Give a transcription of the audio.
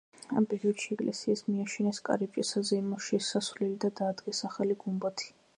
ამ პერიოდში ეკლესიას მიაშენეს კარიბჭე, საზეიმო შესასვლელი და დაადგეს ახალი გუმბათი.